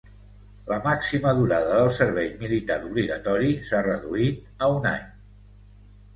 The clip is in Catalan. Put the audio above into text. La màxima durada del servei militar obligatori s'ha reduït a un any.